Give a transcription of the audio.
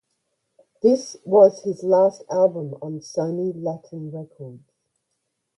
This was his last album on Sony Latin records.